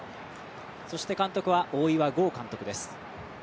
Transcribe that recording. そして監督は大岩剛監督です。